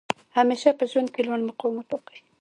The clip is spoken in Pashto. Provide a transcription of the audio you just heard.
همېشه په ژوند کښي لوړ مقام وټاکئ!